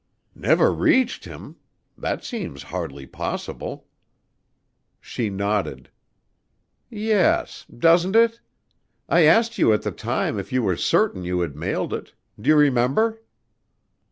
"Never reached him? That seems hardly possible." She nodded. "Yes; doesn't it? I asked you at the time if you were certain you had mailed it. Do you remember?"